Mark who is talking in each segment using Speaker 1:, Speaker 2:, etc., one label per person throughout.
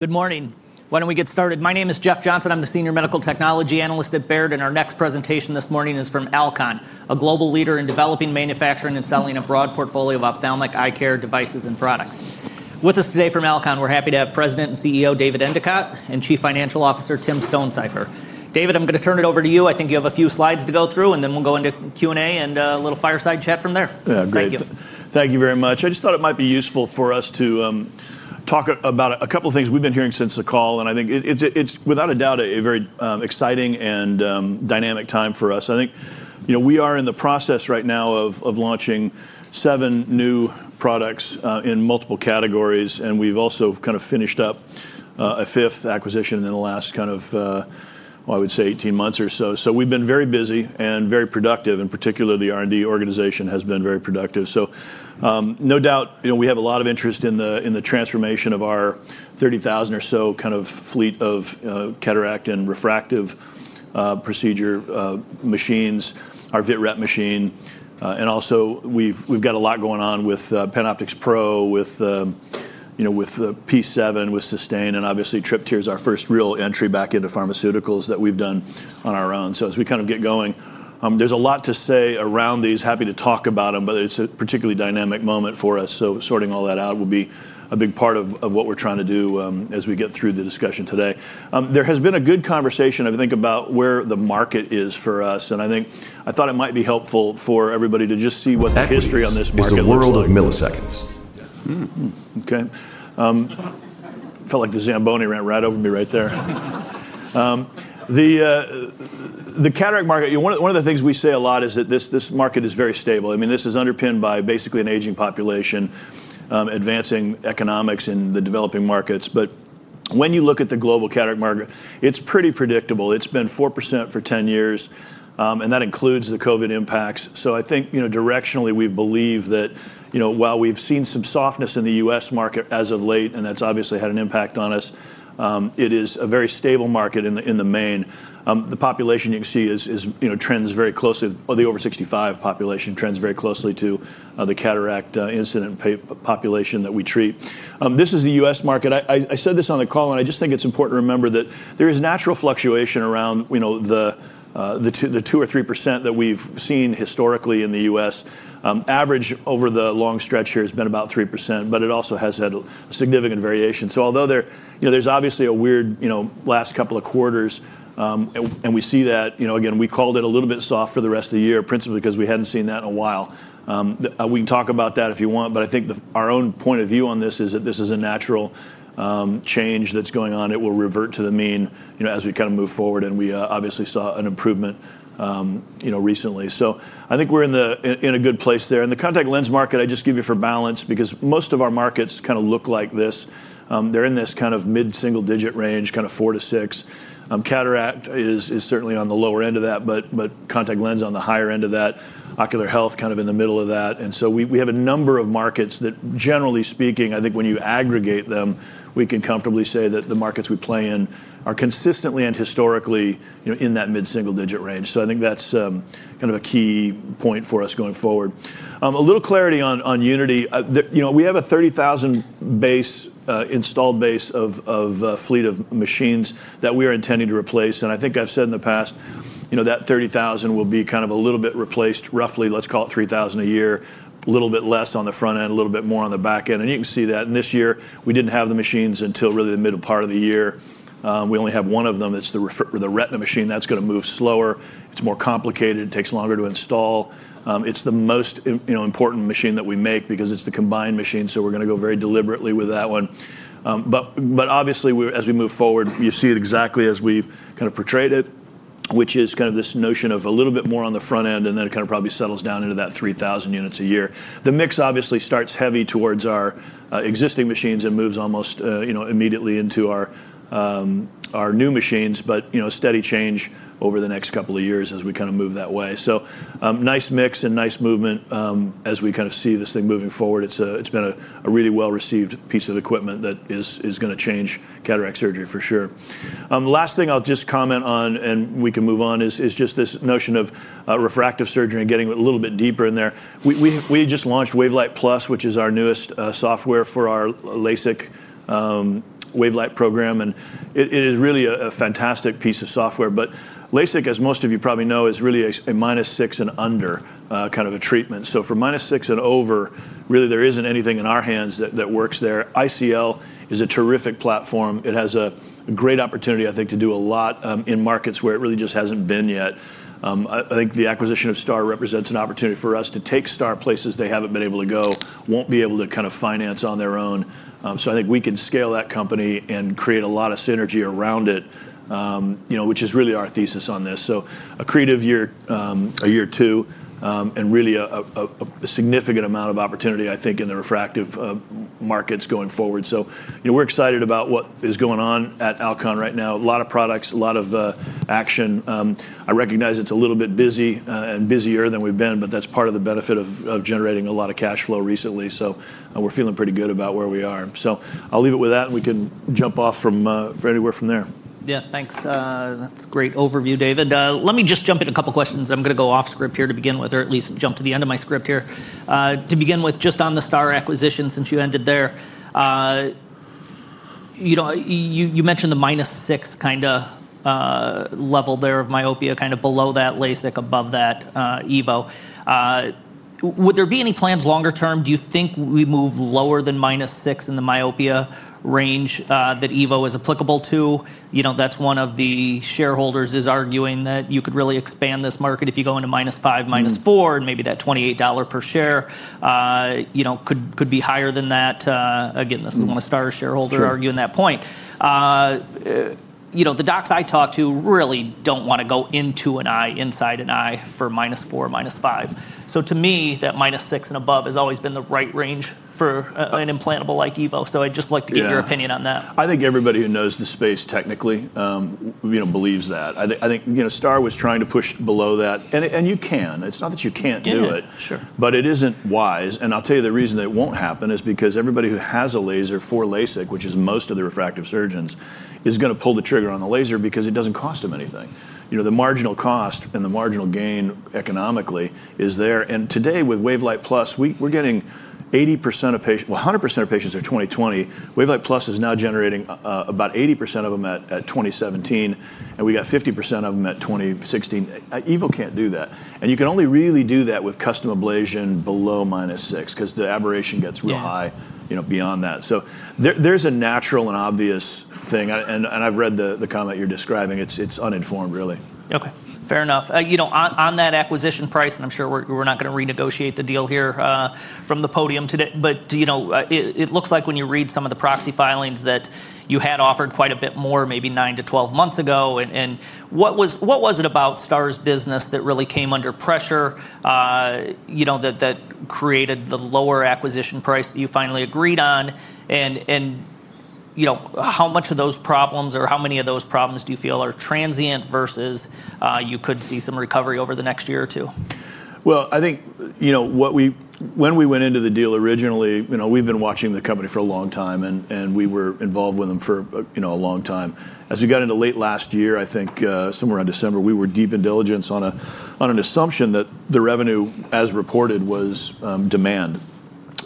Speaker 1: Good morning. Why don't we get started? My name is Jeff Johnson. I'm the Senior Medical Technology Analyst at Baird, and our next presentation this morning is from Alcon, a global leader in developing, manufacturing, and selling a broad portfolio of ophthalmic eye care devices and products. With us today from Alcon, we're happy to have President and CEO David Endicott and Chief Financial Officer Tim Stonesifer. David, I'm going to turn it over to you. I think you have a few slides to go through, and then we'll go into Q&A and a little fireside chat from there.
Speaker 2: Yeah, great. Thank you. Thank you very much. I just thought it might be useful for us to talk about a couple of things we've been hearing since the call. I think it's, without a doubt, a very exciting and dynamic time for us. I think, you know, we are in the process right now of launching seven new products in multiple categories, and we've also kind of finished up a fifth acquisition in the last, I would say, 18 months or so. We've been very busy and very productive, and particularly the R&D organization has been very productive. No doubt, you know, we have a lot of interest in the transformation of our 30,000 or so kind of fleet of cataract and refractive procedure machines, our Vitrep machine. Also, we've got a lot going on with PanOptix Pro, with, you know, with P7, with Sustain, and obviously Tripteer is our first real entry back into pharmaceuticals that we've done on our own. As we kind of get going, there's a lot to say around these. Happy to talk about them, but it's a particularly dynamic moment for us. Sorting all that out will be a big part of what we're trying to do as we get through the discussion today. There has been a good conversation, I think, about where the market is for us. I thought it might be helpful for everybody to just see what the history on this market is.
Speaker 3: The world of milliseconds.
Speaker 2: Okay. Felt like the Zamboni ran right over me right there. The cataract market, you know, one of the things we say a lot is that this market is very stable. I mean, this is underpinned by basically an aging population, advancing economics in the developing markets. When you look at the global cataract market, it's pretty predictable. It's been 4% for 10 years, and that includes the COVID impacts. I think, you know, directionally we believe that, you know, while we've seen some softness in the U.S. market as of late, and that's obviously had an impact on us, it is a very stable market in the main. The population you can see is, you know, trends very closely, the over 65 population trends very closely to the cataract incident population that we treat. This is the U.S. market. I said this on the call, and I just think it's important to remember that there is natural fluctuation around, you know, the 2 or 3% that we've seen historically in the U.S. Average over the long stretch here has been about 3%, but it also has had a significant variation. Although there, you know, there's obviously a weird, you know, last couple of quarters, and we see that, you know, again, we called it a little bit soft for the rest of the year, principally because we hadn't seen that in a while. We can talk about that if you want, but I think our own point of view on this is that this is a natural change that's going on. It will revert to the mean, you know, as we kind of move forward, and we obviously saw an improvement, you know, recently. I think we're in a good place there. The contact lens market, I just give you for balance, because most of our markets kind of look like this. They're in this kind of mid-single-digit range, kind of four to six. Cataract is certainly on the lower end of that, but contact lens on the higher end of that, ocular health kind of in the middle of that. We have a number of markets that, generally speaking, I think when you aggregate them, we can comfortably say that the markets we play in are consistently and historically, you know, in that mid-single-digit range. I think that's kind of a key point for us going forward. A little clarity on Unity. We have a 30,000 base installed base of a fleet of machines that we are intending to replace. I think I've said in the past, you know, that 30,000 will be kind of a little bit replaced, roughly, let's call it 3,000 a year, a little bit less on the front end, a little bit more on the back end. You can see that in this year, we didn't have the machines until really the middle part of the year. We only have one of them. It's the Retina machine. That's going to move slower. It's more complicated. It takes longer to install. It's the most, you know, important machine that we make because it's the combined machine. We are going to go very deliberately with that one. Obviously, as we move forward, you see it exactly as we've kind of portrayed it, which is kind of this notion of a little bit more on the front end, and then it kind of probably settles down into that 3,000 units a year. The mix obviously starts heavy towards our existing machines and moves almost, you know, immediately into our new machines, but a steady change over the next couple of years as we kind of move that way. Nice mix and nice movement as we kind of see this thing moving forward. It's been a really well-received piece of equipment that is going to change cataract surgery for sure. Last thing I'll just comment on, and we can move on, is just this notion of refractive surgery and getting a little bit deeper in there. We just launched WaveLight Plus, which is our newest software for our LASIK WaveLight program. It is really a fantastic piece of software. LASIK, as most of you probably know, is really a minus six and under kind of a treatment. For minus six and over, really there isn't anything in our hands that works there. ICL is a terrific platform. It has a great opportunity, I think, to do a lot in markets where it really just hasn't been yet. I think the acquisition of STAAR represents an opportunity for us to take STAAR places they haven't been able to go, won't be able to kind of finance on their own. I think we can scale that company and create a lot of synergy around it, which is really our thesis on this. A creative year, a year two, and really a significant amount of opportunity, I think, in the refractive markets going forward. We're excited about what is going on at Alcon right now. A lot of products, a lot of action. I recognize it's a little bit busy and busier than we've been, but that's part of the benefit of generating a lot of cash flow recently. We're feeling pretty good about where we are. I'll leave it with that, and we can jump off from anywhere from there.
Speaker 1: Yeah, thanks. That's a great overview, David. Let me just jump in with a couple of questions. I'm going to go off script here to begin with, or at least jump to the end of my script here. To begin with, just on the STAAR acquisition, since you ended there, you mentioned the minus six kind of level there of myopia, kind of below that LASIK, above that EVO. Would there be any plans longer term? Do you think we move lower than minus six in the myopia range that EVO is applicable to? That's one of the shareholders arguing that you could really expand this market if you go into minus five, minus four, and maybe that $28 per share could be higher than that. Again, this is one of the STAAR shareholders arguing that point. The docs I talk to really don't want to go into an eye, inside an eye for minus four, minus five. To me, that minus six and above has always been the right range for an implantable like EVO. I'd just like to get your opinion on that.
Speaker 2: I think everybody who knows the space technically believes that. I think STAAR was trying to push below that, and you can. It's not that you can't do it, but it isn't wise. I'll tell you the reason that it won't happen is because everybody who has a laser for LASIK, which is most of the refractive surgeons, is going to pull the trigger on the laser because it doesn't cost them anything. The marginal cost and the marginal gain economically is there. Today with WaveLight Plus, we're getting 80% of patients, 100% of patients are 20/20. WaveLight Plus is now generating about 80% of them at 20/17, and we got 50% of them at 20/16. EVO can't do that. You can only really do that with custom ablation below minus six because the aberration gets real high beyond that. There's a natural and obvious thing. I've read the comment you're describing. It's uninformed, really.
Speaker 1: Okay, fair enough. You know, on that acquisition price, and I'm sure we're not going to renegotiate the deal here from the podium today, but you know, it looks like when you read some of the proxy filings that you had offered quite a bit more, maybe 9 to 12 months ago. What was it about STAAR Surgical's business that really came under pressure, you know, that created the lower acquisition price that you finally agreed on? You know, how much of those problems or how many of those problems do you feel are transient versus you could see some recovery over the next year or two?
Speaker 2: I think, you know, when we went into the deal originally, we've been watching the company for a long time, and we were involved with them for a long time. As we got into late last year, I think somewhere around December, we were deep in diligence on an assumption that the revenue as reported was demand.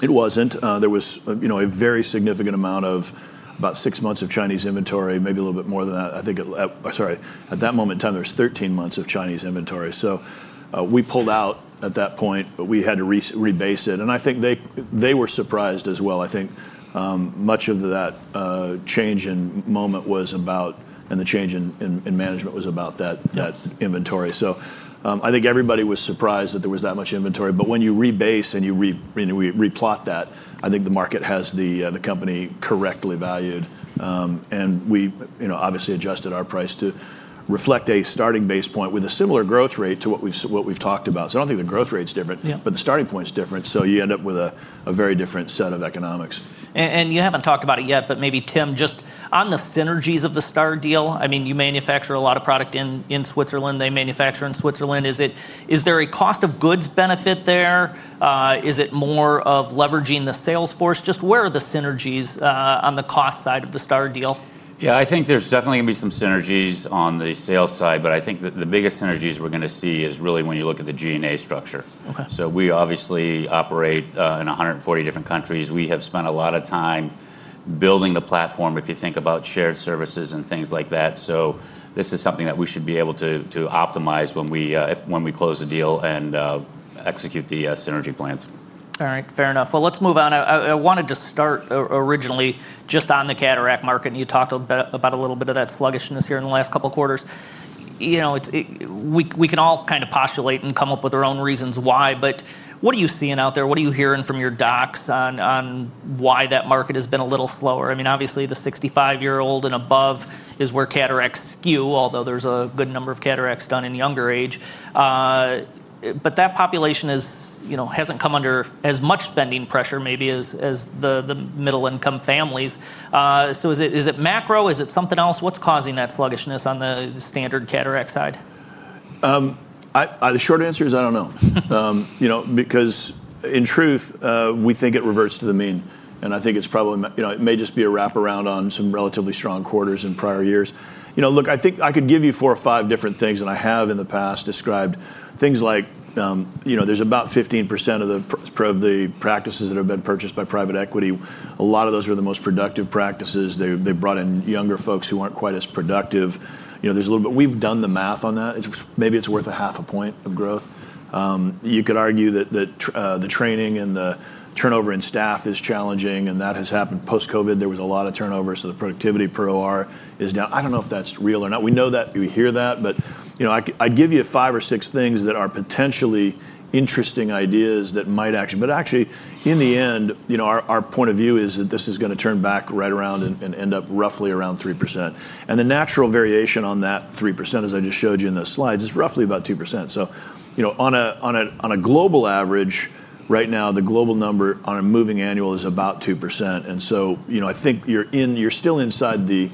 Speaker 2: It wasn't. There was a very significant amount of about six months of Chinese inventory, maybe a little bit more than that. I think, sorry, at that moment in time, there was 13 months of Chinese inventory. We pulled out at that point, but we had to rebase it. I think they were surprised as well. I think much of that change in moment was about, and the change in management was about that inventory. I think everybody was surprised that there was that much inventory. When you rebase and you replot that, I think the market has the company correctly valued. We obviously adjusted our price to reflect a starting base point with a similar growth rate to what we've talked about. I don't think the growth rate's different, but the starting point's different. You end up with a very different set of economics.
Speaker 1: You haven't talked about it yet, but maybe Tim, just on the synergies of the STAAR deal, I mean, you manufacture a lot of product in Switzerland. They manufacture in Switzerland. Is there a cost of goods benefit there? Is it more of leveraging the sales force? Just where are the synergies on the cost side of the STAAR deal?
Speaker 4: Yeah, I think there's definitely going to be some synergies on the sales side, but I think that the biggest synergies we're going to see is really when you look at the G&A structure. We obviously operate in 140 different countries. We have spent a lot of time building the platform if you think about shared services and things like that. This is something that we should be able to optimize when we close the deal and execute the synergy plans.
Speaker 1: All right, fair enough. Let's move on. I wanted to start originally just on the cataract market, and you talked about a little bit of that sluggishness here in the last couple of quarters. You know, we can all kind of postulate and come up with our own reasons why, but what are you seeing out there? What are you hearing from your docs on why that market has been a little slower? I mean, obviously the 65-year-old and above is where cataracts skew, although there's a good number of cataracts done in younger age. That population hasn't come under as much spending pressure maybe as the middle-income families. Is it macro? Is it something else? What's causing that sluggishness on the standard cataract side?
Speaker 2: The short answer is I don't know. In truth, we think it reverts to the mean. I think it's probably, you know, it may just be a wraparound on some relatively strong quarters in prior years. Look, I think I could give you four or five different things, and I have in the past described things like, there's about 15% of the practices that have been purchased by private equity. A lot of those were the most productive practices. They brought in younger folks who weren't quite as productive. We've done the math on that. Maybe it's worth a half a point of growth. You could argue that the training and the turnover in staff is challenging, and that has happened post-COVID. There was a lot of turnover, so the productivity per hour is down. I don't know if that's real or not. We know that, we hear that, but I give you five or six things that are potentially interesting ideas that might actually, but actually in the end, our point of view is that this is going to turn back right around and end up roughly around 3%. The natural variation on that 3%, as I just showed you in those slides, is roughly about 2%. On a global average right now, the global number on a moving annual is about 2%. I think you're still inside the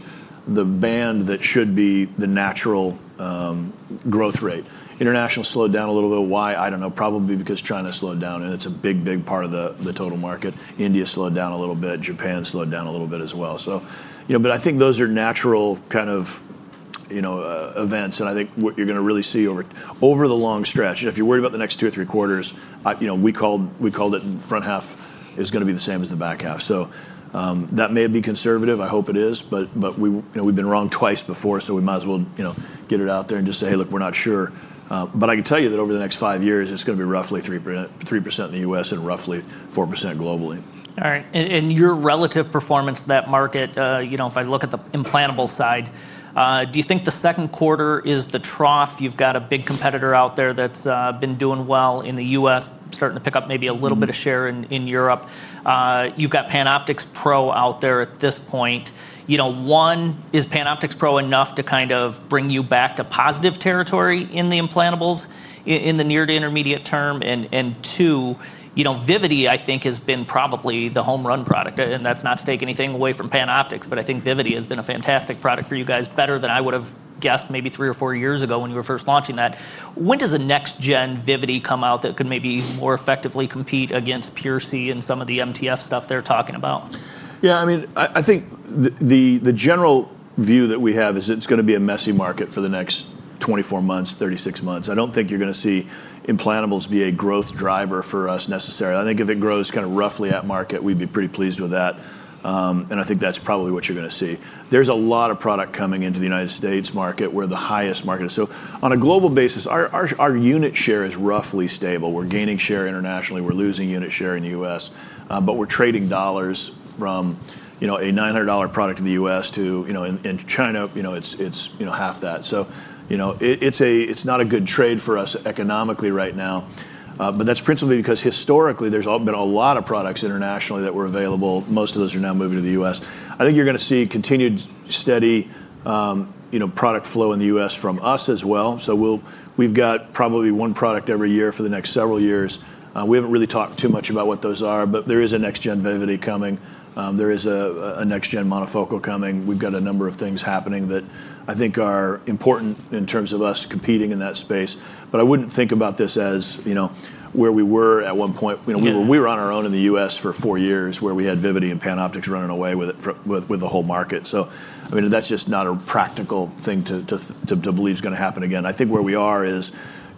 Speaker 2: band that should be the natural growth rate. International slowed down a little bit. Why? I don't know. Probably because China slowed down, and it's a big, big part of the total market. India slowed down a little bit. Japan slowed down a little bit as well. I think those are natural kind of events. I think what you're going to really see over the long stretch, if you're worried about the next two or three quarters, we called it in the front half, it's going to be the same as the back half. That may be conservative. I hope it is, but we've been wrong twice before, so we might as well get it out there and just say, hey, look, we're not sure. I can tell you that over the next five years, it's going to be roughly 3% in the U.S. and roughly 4% globally.
Speaker 1: All right. Your relative performance to that market, you know, if I look at the implantable side, do you think the second quarter is the trough? You've got a big competitor out there that's been doing well in the U.S., starting to pick up maybe a little bit of share in Europe. You've got PanOptix Pro out there at this point. One, is PanOptix Pro enough to kind of bring you back to positive territory in the implantables in the near to intermediate term? Two, you know, Vivity, I think, has been probably the home run product. That's not to take anything away from PanOptix, but I think Vivity has been a fantastic product for you guys, better than I would have guessed maybe three or four years ago when you were first launching that. When does the next gen Vivity come out that could maybe more effectively compete against PureC and some of the MTF stuff they're talking about?
Speaker 2: Yeah, I mean, I think the general view that we have is it's going to be a messy market for the next 24 months, 36 months. I don't think you're going to see implantables be a growth driver for us necessarily. I think if it grows kind of roughly at market, we'd be pretty pleased with that. I think that's probably what you're going to see. There's a lot of product coming into the U.S. market where the highest market is. On a global basis, our unit share is roughly stable. We're gaining share internationally. We're losing unit share in the U.S., but we're trading dollars from, you know, a $900 product in the U.S. to, you know, in China, you know, it's, you know, half that. It's not a good trade for us economically right now. That's principally because historically there's all been a lot of products internationally that were available. Most of those are now moving to the U.S. I think you're going to see continued steady product flow in the U.S. from us as well. We've got probably one product every year for the next several years. We haven't really talked too much about what those are, but there is a next gen Vivity coming. There is a next gen monofocal coming. We've got a number of things happening that I think are important in terms of us competing in that space. I wouldn't think about this as where we were at one point. We were on our own in the U.S. for four years where we had Vivity and PanOptix running away with it, with the whole market. That's just not a practical thing to believe is going to happen again. I think where we are is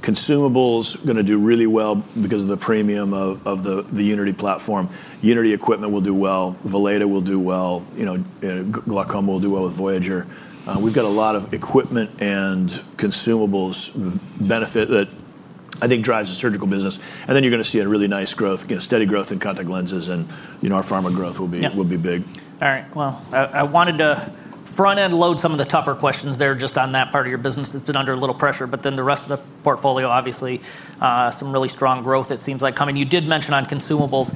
Speaker 2: consumables are going to do really well because of the premium of the Unity platform. Unity equipment will do well. Vileda will do well. Glaucoma will do well with Voyager. We've got a lot of equipment and consumables benefit that I think drives the surgical business. You're going to see a really nice growth, steady growth in contact lenses and our pharma growth will be big.
Speaker 1: All right. I wanted to front-end load some of the tougher questions there just on that part of your business that's been under a little pressure. The rest of the portfolio, obviously, some really strong growth, it seems like coming. You did mention on consumables,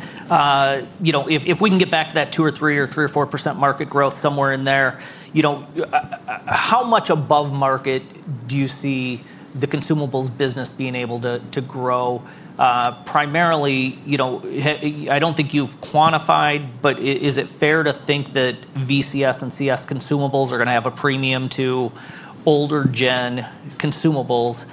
Speaker 1: you know, if we can get back to that 2% or 3% or 3% or 4% market growth somewhere in there, you know, how much above market do you see the consumables business being able to grow? Primarily, you know, I don't think you've quantified, but is it fair to think that VCS and CS consumables are going to have a premium to older gen consumables?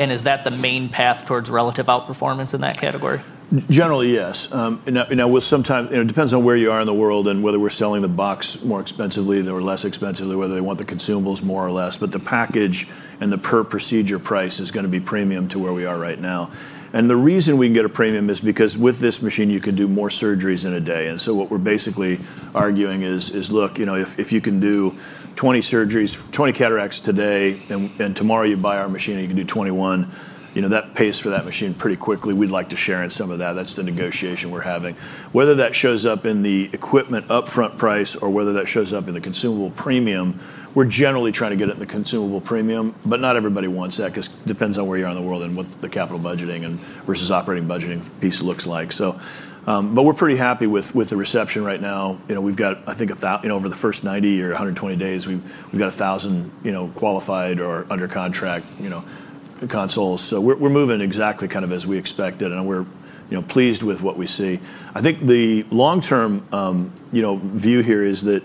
Speaker 1: Is that the main path towards relative outperformance in that category?
Speaker 2: Generally, yes. Sometimes, you know, it depends on where you are in the world and whether we're selling the box more expensively or less expensively, whether they want the consumables more or less. The package and the per procedure price is going to be premium to where we are right now. The reason we can get a premium is because with this machine, you can do more surgeries in a day. What we're basically arguing is, look, you know, if you can do 20 surgeries, 20 cataracts today, and tomorrow you buy our machine and you can do 21, you know, that pays for that machine pretty quickly. We'd like to share in some of that. That's the negotiation we're having. Whether that shows up in the equipment upfront price or whether that shows up in the consumable premium, we're generally trying to get it in the consumable premium, but not everybody wants that because it depends on where you are in the world and what the capital budgeting versus operating budgeting piece looks like. We're pretty happy with the reception right now. We've got, I think, you know, over the first 90 or 120 days, we've got 1,000, you know, qualified or under contract, you know, consoles. We're moving exactly kind of as we expected, and we're, you know, pleased with what we see. I think the long-term, you know, view here is that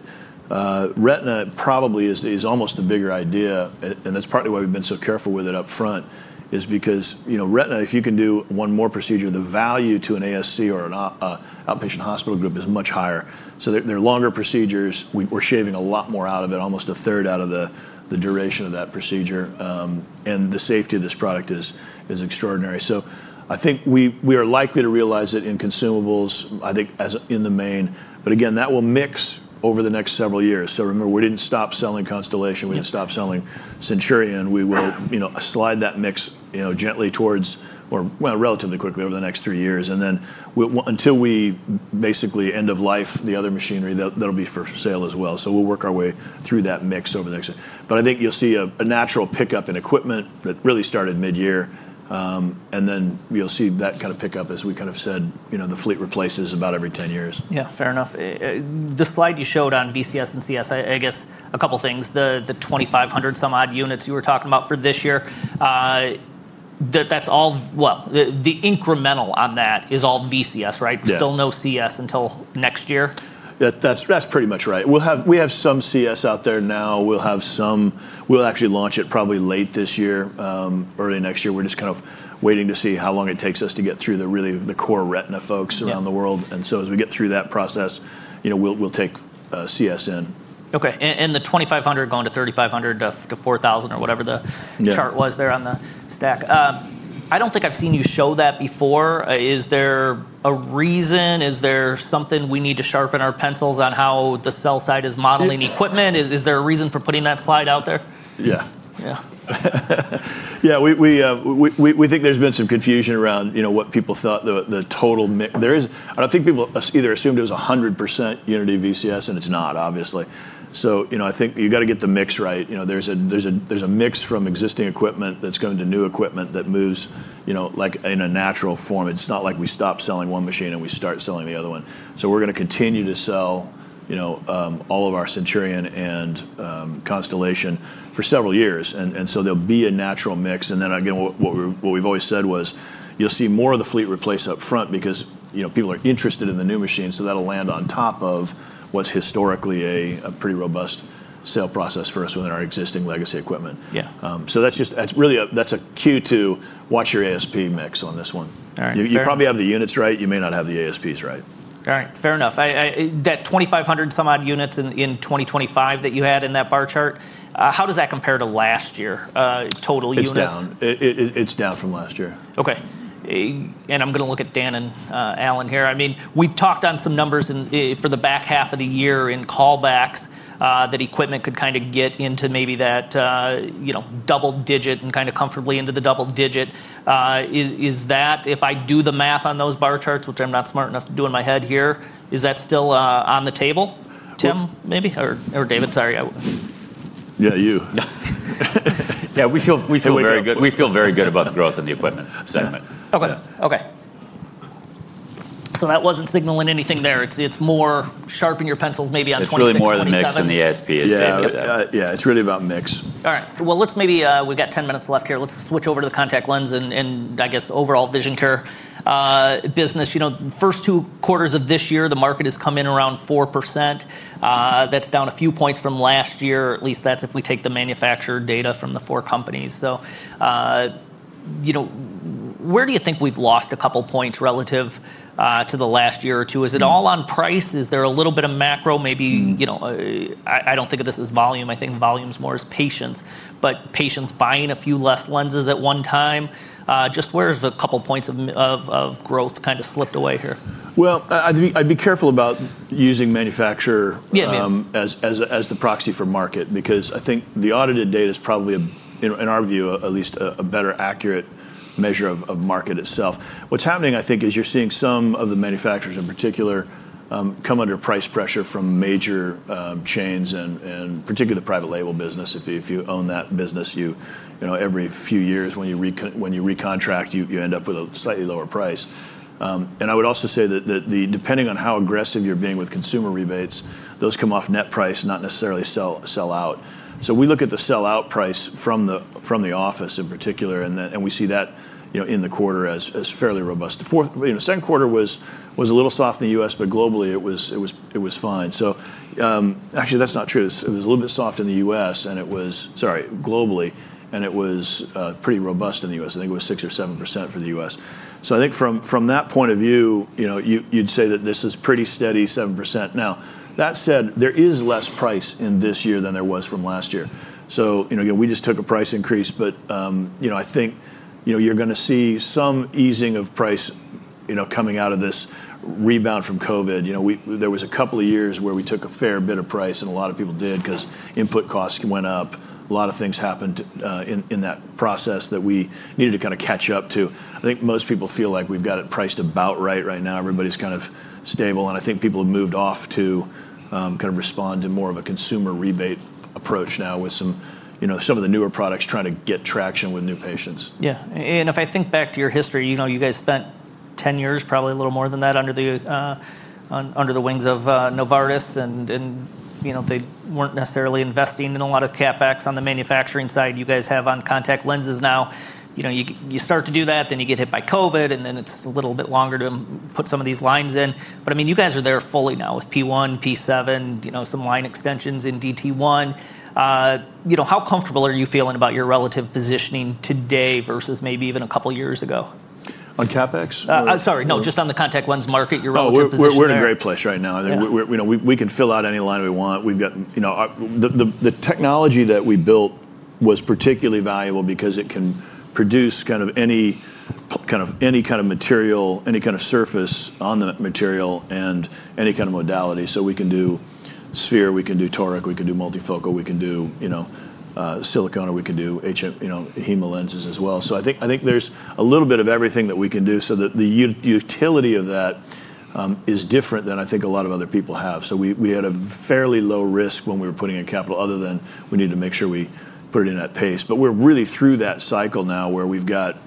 Speaker 2: Retina probably is almost a bigger idea. That's partly why we've been so careful with it up front, because, you know, Retina, if you can do one more procedure, the value to an ASC or an outpatient hospital group is much higher. They're longer procedures. We're shaving a lot more out of it, almost a third out of the duration of that procedure. The safety of this product is extraordinary. I think we are likely to realize it in consumables, I think, as in the main. Again, that will mix over the next several years. Remember, we didn't stop selling Constellation. We didn't stop selling Centurion. We will, you know, slide that mix, you know, gently towards, or relatively quickly over the next three years, until we basically end of life the other machinery that'll be for sale as well. We'll work our way through that mix over the next year. I think you'll see a natural pickup in equipment that really started mid-year. You'll see that kind of pickup as we kind of said, you know, the fleet replaces about every 10 years.
Speaker 1: Yeah, fair enough. The slide you showed on Unity VCS and CS, I guess a couple of things. The 2,500 some odd units you were talking about for this year, that's all, well, the incremental on that is all Unity VCS, right? Still no CS until next year?
Speaker 2: That's pretty much right. We have some CS out there now. We'll actually launch it probably late this year or early next year. We're just kind of waiting to see how long it takes us to get through the really core Retina folks around the world. As we get through that process, we'll take CS in.
Speaker 1: Okay. The 2,500 gone to 3,500 to 4,000 or whatever the chart was there on the stack. I don't think I've seen you show that before. Is there a reason? Is there something we need to sharpen our pencils on how the sell side is modeling equipment? Is there a reason for putting that slide out there?
Speaker 2: Yeah, we think there's been some confusion around what people thought the total mix. I don't think people either assumed it was 100% Unity VCS, and it's not, obviously. I think you got to get the mix right. There's a mix from existing equipment that's going to new equipment that moves in a natural form. It's not like we stop selling one machine and we start selling the other one. We're going to continue to sell all of our Centurion and Constellation for several years, and there'll be a natural mix. What we've always said was you'll see more of the fleet replace up front because people are interested in the new machine. That'll land on top of what's historically a pretty robust sale process for us within our existing legacy equipment. That's just, it's really a cue to watch your ASP mix on this one. You probably have the units right. You may not have the ASPs right.
Speaker 1: All right. Fair enough. That 2,500 some odd units in 2025 that you had in that bar chart, how does that compare to last year total units?
Speaker 2: It's down from last year.
Speaker 1: Okay. I'm going to look at Tim and David here. I mean, we talked on some numbers for the back half of the year in callbacks that equipment could kind of get into maybe that, you know, double digit and kind of comfortably into the double digit. Is that, if I do the math on those bar charts, which I'm not smart enough to do in my head here, is that still on the table? Tim, maybe, or David, sorry.
Speaker 2: Yeah, you.
Speaker 4: Yeah, we feel very good about the growth in the equipment segment.
Speaker 1: Okay. Okay. That wasn't signaling anything there. It's more sharpen your pencils maybe on.
Speaker 4: It's really more the mix and the ASP.
Speaker 2: Yeah, it's really about mix.
Speaker 1: All right. Let's maybe, we've got 10 minutes left here, switch over to the contact lens and overall vision care business. The first two quarters of this year, the market has come in around 4%. That's down a few points from last year, at least that's if we take the manufacturer data from the four companies. Where do you think we've lost a couple of points relative to the last year or two? Is it all on price? Is there a little bit of macro? I don't think of this as volume. I think volume's more as patients, but patients buying a few less lenses at one time, just where's a couple of points of growth kind of slipped away here?
Speaker 2: I'd be careful about using manufacturer as the proxy for market because I think the audited data is probably, in our view, at least a better accurate measure of market itself. What's happening, I think, is you're seeing some of the manufacturers in particular come under price pressure from major chains and particularly the private label business. If you own that business, you know, every few years when you recontract, you end up with a slightly lower price. I would also say that depending on how aggressive you're being with consumer rebates, those come off net price, not necessarily sell out. We look at the sell out price from the office in particular, and we see that in the quarter as fairly robust. The second quarter was a little soft in the U.S., but globally it was fine. Actually, that's not true. It was a little bit soft globally, and it was pretty robust in the U.S. I think it was 6% or 7% for the U.S. From that point of view, you'd say that this is pretty steady 7%. That said, there is less price in this year than there was from last year. We just took a price increase, but I think you're going to see some easing of price coming out of this rebound from COVID. There was a couple of years where we took a fair bit of price, and a lot of people did because input costs went up. A lot of things happened in that process that we needed to kind of catch up to. I think most people feel like we've got it priced about right right now. Everybody's kind of stable, and I think people have moved off to kind of respond to more of a consumer rebate approach now with some of the newer products trying to get traction with new patients.
Speaker 1: Yeah. If I think back to your history, you know, you guys spent 10 years, probably a little more than that under the wings of Novartis, and you know, they weren't necessarily investing in a lot of CapEx on the manufacturing side. You guys have on contact lenses now. You start to do that, then you get hit by COVID, and then it's a little bit longer to put some of these lines in. I mean, you guys are there fully now with P1, P7, some line extensions in DAILIES TOTAL1. How comfortable are you feeling about your relative positioning today versus maybe even a couple of years ago?
Speaker 2: On capex?
Speaker 1: Sorry, no, just on the contact lens market, your relative positioning.
Speaker 2: We're in a great place right now. We can fill out any line we want. We've got the technology that we built, which was particularly valuable because it can produce any kind of material, any kind of surface on the material, and any kind of modality. We can do sphere, we can do toric, we can do multifocal, we can do silicone, or we can do HEMA lenses as well. I think there's a little bit of everything that we can do, so the utility of that is different than I think a lot of other people have. We had a fairly low risk when we were putting in capital, other than we needed to make sure we put it in at pace. We're really through that cycle now where we've got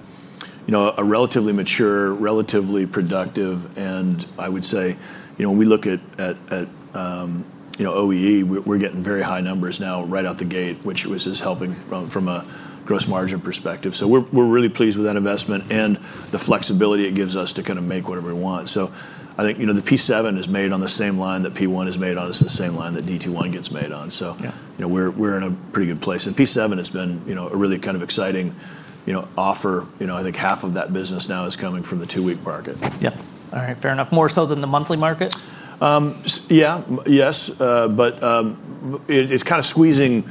Speaker 2: a relatively mature, relatively productive, and I would say, when we look at OEE, we're getting very high numbers now right out the gate, which is helping from a gross margin perspective. We're really pleased with that investment and the flexibility it gives us to make whatever we want. I think the P7 is made on the same line that P1 is made on; it's the same line that DAILIES TOTAL1 gets made on. We're in a pretty good place, and P7 has been a really kind of exciting offer. I think half of that business now is coming from the two-week market.
Speaker 1: Yep. All right. Fair enough. More so than the monthly market?
Speaker 2: Yeah. Yes. It's kind of squeezing,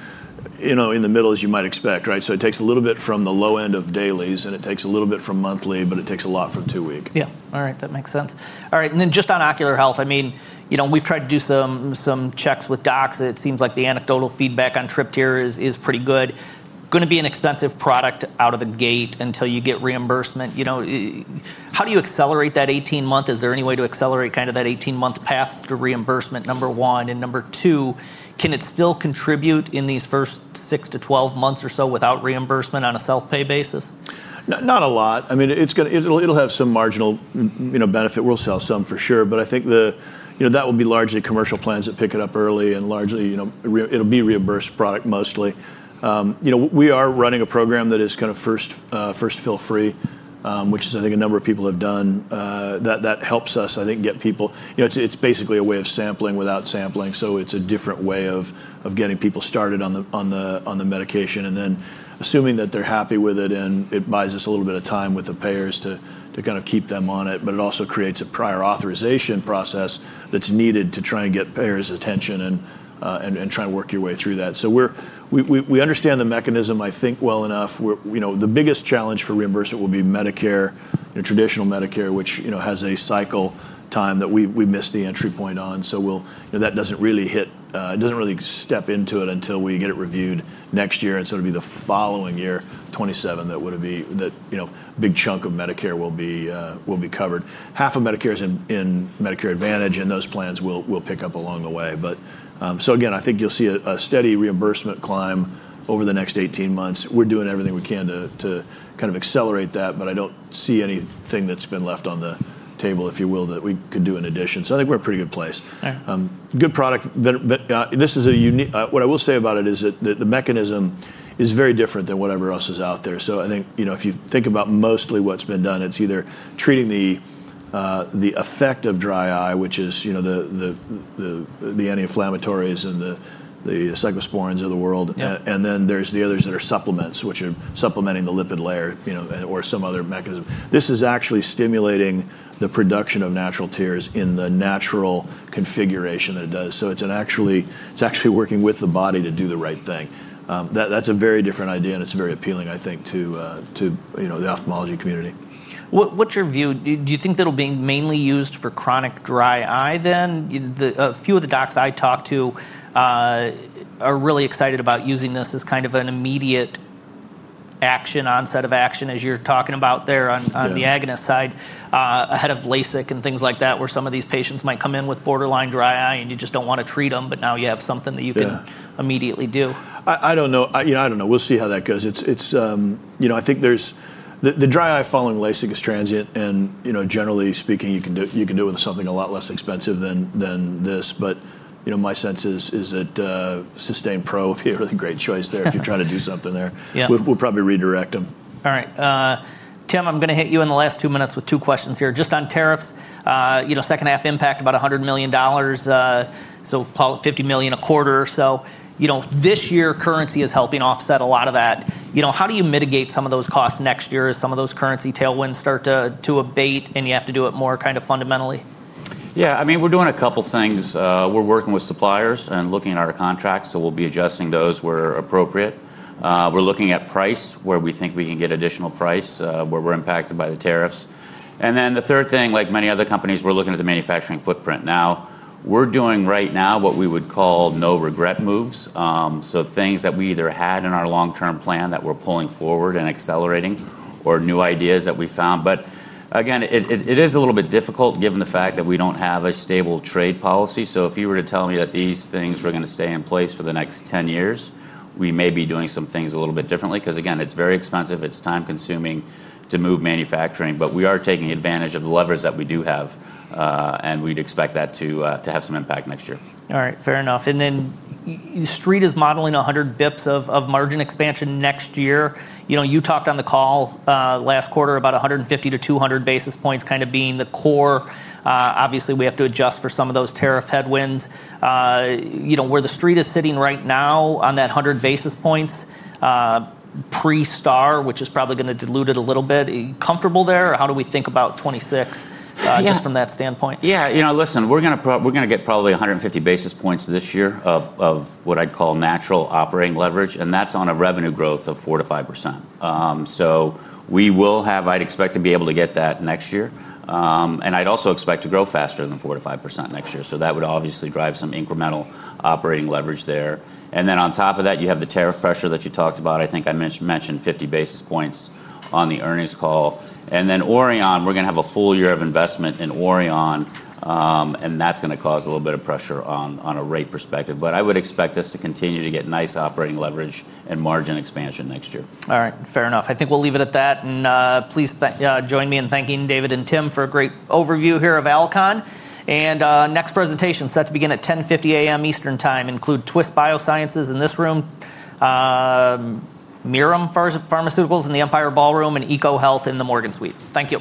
Speaker 2: you know, in the middle, as you might expect, right? It takes a little bit from the low end of DAILIES, and it takes a little bit from monthly, but it takes a lot from two-week.
Speaker 1: Yeah. All right. That makes sense. All right. Just on ocular health, I mean, you know, we've tried to do some checks with docs. It seems like the anecdotal feedback on Tripteer is pretty good. Going to be an expensive product out of the gate until you get reimbursement. You know, how do you accelerate that 18-month? Is there any way to accelerate kind of that 18-month path to reimbursement, number one? Number two, can it still contribute in these first six to 12 months or so without reimbursement on a self-pay basis?
Speaker 2: Not a lot. I mean, it'll have some marginal benefit. We'll sell some for sure. I think that will be largely commercial plans that pick it up early and largely it'll be a reimbursed product mostly. We are running a program that is kind of first fill free, which I think a number of people have done. That helps us get people. It's basically a way of sampling without sampling. It's a different way of getting people started on the medication and then assuming that they're happy with it and it buys us a little bit of time with the payers to keep them on it. It also creates a prior authorization process that's needed to try and get payers' attention and try and work your way through that. We understand the mechanism, I think, well enough. The biggest challenge for reimbursement will be Medicare, traditional Medicare, which has a cycle time that we miss the entry point on. That doesn't really hit, it doesn't really step into it until we get it reviewed next year. It will be the following year, 2027, that would be, a big chunk of Medicare will be covered. Half of Medicare's in Medicare Advantage and those plans will pick up along the way. I think you'll see a steady reimbursement climb over the next 18 months. We're doing everything we can to accelerate that, but I don't see anything that's been left on the table, if you will, that we could do in addition. I think we're in a pretty good place. Good product. This is a unique, what I will say about it is that the mechanism is very different than whatever else is out there. If you think about mostly what's been done, it's either treating the effect of dry eye, which is the anti-inflammatories and the cyclosporins of the world. Then there's the others that are supplements, which are supplementing the lipid layer, or some other mechanism. This is actually stimulating the production of natural tears in the natural configuration that it does. It's actually working with the body to do the right thing. That's a very different idea, and it's very appealing, I think, to the ophthalmology community.
Speaker 1: What's your view? Do you think that'll be mainly used for chronic dry eye then? A few of the docs I talked to are really excited about using this as kind of an immediate action, onset of action, as you're talking about there on the agonist side, ahead of LASIK and things like that, where some of these patients might come in with borderline dry eye and you just don't want to treat them, but now you have something that you can immediately do.
Speaker 2: I don't know. I don't know. We'll see how that goes. I think the dry eye following LASIK is transient and, generally speaking, you can do it with something a lot less expensive than this. My sense is that SYSTANE PRO would be a really great choice there if you're trying to do something there. We'll probably redirect them.
Speaker 1: All right. Tim, I'm going to hit you in the last two minutes with two questions here. Just on tariffs, you know, second half impact about $100 million. Call it $50 million a quarter or so. This year, currency is helping offset a lot of that. How do you mitigate some of those costs next year as some of those currency tailwinds start to abate and you have to do it more kind of fundamentally?
Speaker 4: Yeah, I mean, we're doing a couple of things. We're working with suppliers and looking at our contracts. We'll be adjusting those where appropriate. We're looking at price where we think we can get additional price where we're impacted by the tariffs. The third thing, like many other companies, we're looking at the manufacturing footprint. Right now we're doing what we would call no regret moves, things that we either had in our long-term plan that we're pulling forward and accelerating or new ideas that we found. It is a little bit difficult given the fact that we don't have a stable trade policy. If you were to tell me that these things were going to stay in place for the next 10 years, we may be doing some things a little bit differently because it's very expensive. It's time-consuming to move manufacturing, but we are taking advantage of the levers that we do have, and we'd expect that to have some impact next year.
Speaker 1: All right, fair enough. Street is modeling 100 bps of margin expansion next year. You talked on the call last quarter about 150 to 200 bps kind of being the core. Obviously, we have to adjust for some of those tariff headwinds. Where the Street is sitting right now on that 100 bps, pre-STAAR, which is probably going to dilute it a little bit, comfortable there, or how do we think about 2026 just from that standpoint?
Speaker 4: Yeah, you know, listen, we're going to get probably 150 basis points this year of what I'd call natural operating leverage, and that's on a revenue growth of 4% to 5%. We will have, I'd expect to be able to get that next year. I'd also expect to grow faster than 4% to 5% next year. That would obviously drive some incremental operating leverage there. On top of that, you have the tariff pressure that you talked about. I think I mentioned 50 basis points on the earnings call. We're going to have a full year of investment in Orion, and that's going to cause a little bit of pressure on a rate perspective. I would expect us to continue to get nice operating leverage and margin expansion next year.
Speaker 1: All right, fair enough. I think we'll leave it at that. Please join me in thanking David and Tim for a great overview here of Alcon. The next presentation is set to begin at 10:50 A.M. Eastern Time, including Twist Biosciences in this room, Miriam Pharmaceuticals in the Empire Ballroom, and EcoHealth in the Morgan Suite. Thank you.